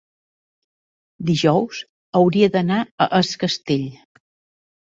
Dijous hauria d'anar a Es Castell.